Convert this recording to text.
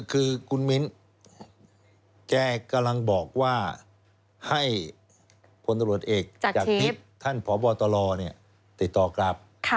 คือคุณมิ้นแกกำลังบอกว่าให้พลตำรวจเอกจากทิพย์ท่านพบตรติดต่อกลับ